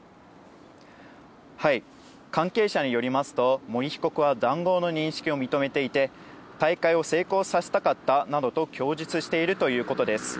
関係者によりますと、森被告は談合の認識を認めていて、大会を成功させたかったなどと供述しているということです。